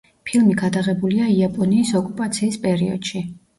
ფილმი გადაღებულია იაპონიის ოკუპაციის პერიოდში.